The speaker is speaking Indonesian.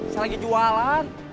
saya lagi jualan